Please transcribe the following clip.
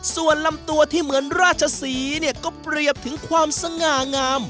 ส่วนลำตัวที่เหมือนราชศรีเนี่ยก็เปรียบถึงความสง่างาม